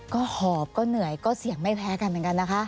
ก็หอบก็เหนื่อยก็เสี่ยงไม่แพ้กันเหมือนกันนะคะ